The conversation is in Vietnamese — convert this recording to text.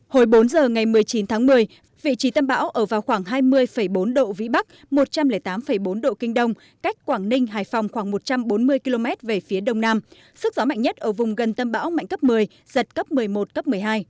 hồi bốn giờ ngày một mươi chín tháng một mươi vị trí tâm bão ở vào khoảng hai mươi bốn độ vĩ bắc một trăm linh tám bốn độ kinh đông cách quảng ninh hải phòng khoảng một trăm bốn mươi km về phía đông nam sức gió mạnh nhất ở vùng gần tâm bão mạnh cấp một mươi giật cấp một mươi một cấp một mươi hai